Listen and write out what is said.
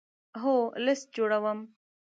هو، لست جوړوم